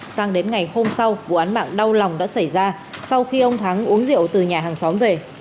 sang đến ngày hôm sau vụ án mạng đau lòng đã xảy ra sau khi ông thắng uống rượu từ nhà hàng xóm về